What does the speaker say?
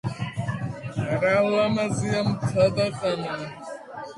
რა ლამაზია მთა და ყანა